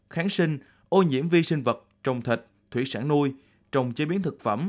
kháng sinh ô nhiễm vi sinh vật trồng thịt thủy sản nuôi trồng chế biến thực phẩm